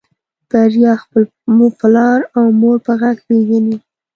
بريا خپل پلار او مور په غږ پېژني.